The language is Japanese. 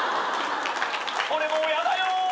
俺もうやだよ。